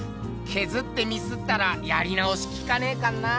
削ってミスったらやり直しきかねえかんなあ。